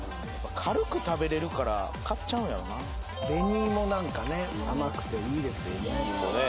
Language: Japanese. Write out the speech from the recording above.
軽く食べれるから買っちゃうんやろうな紅芋なんかね甘くていいですよね